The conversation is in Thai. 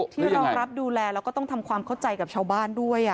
รองรับดูแลแล้วก็ต้องทำความเข้าใจกับชาวบ้านด้วย